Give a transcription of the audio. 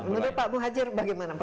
menurut pak muhajir bagaimana